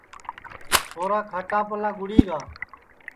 چھورا کھاٹاپاݪا گُڑی گا